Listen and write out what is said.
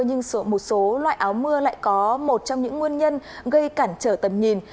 nhưng một số loại áo mưa lại có một trong những nguyên nhân gây cản trở tầm nhìn